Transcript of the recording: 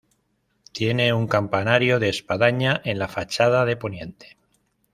Tiene un campanario de espadaña en la fachada de poniente.